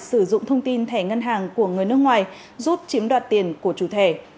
sử dụng thông tin thẻ ngân hàng của người nước ngoài rút chiếm đoạt tiền của chủ thẻ